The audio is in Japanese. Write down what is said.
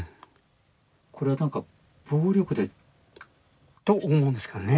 これは何か暴力で。と思うんですけどね。